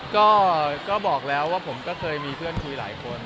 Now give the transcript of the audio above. ก็บอกแล้วว่าผมก็เคยมีเพื่อนคุยหลายคน